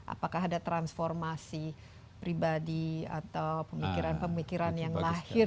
apakah ada transformasi pribadi atau pemikiran pemikiran yang lahir